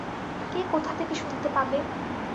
কে কোথা থেকে শুনতে পাবে।